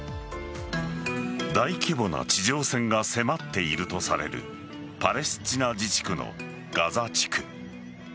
大規模な地上戦が迫っているとされるパレスチナ自治区のガザ地区。